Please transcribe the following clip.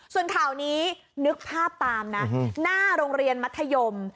ส่วนข่าวนี้นึกภาพตามนะหน้าโรงเรียนมัธยม